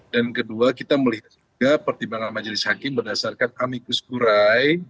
dan kedua kita melihat juga pertimbangan majelis hakim berdasarkan amicus kurai